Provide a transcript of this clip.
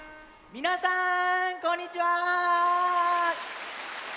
みなさんこんにちは！